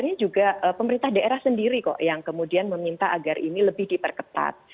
ini juga pemerintah daerah sendiri kok yang kemudian meminta agar ini lebih diperketat